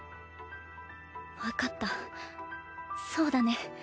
わかったそうだね。